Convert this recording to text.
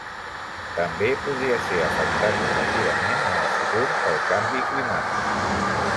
També podria ser afectat negativament en el futur pel canvi climàtic.